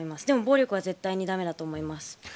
でも、暴力は絶対に駄目だと思います。